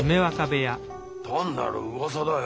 単なるうわさだよ。